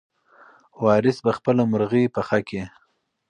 وارث به خپله مرغۍ پخه کړي.